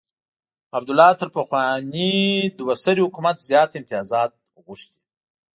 عبدالله تر پخواني دوه سري حکومت زیات امتیازات غوښتي.